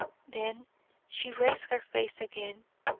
Then she raised her face again.